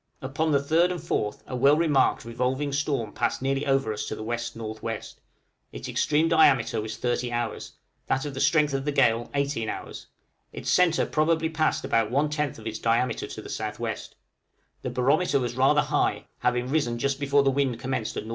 Upon the 3rd and 4th a well remarked revolving storm passed nearly over us to the W.N.W.; its extreme diameter was 30 hours, that of the strength of the gale 18 hours; its centre probably passed about one tenth of its diameter to the S.W. The barometer was rather high, having risen just before the wind commenced at N.E.